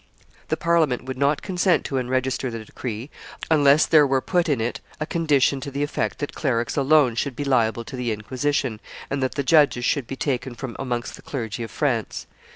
] The Parliament would not consent to enregister the decree unless there were put in it a condition to the effect that clerics alone should be liable to the inquisition, and that the judges should be taken from amongst the clergy of France.